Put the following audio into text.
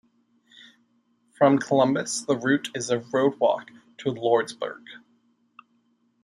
From Columbus, the route is a roadwalk to Lordsburg.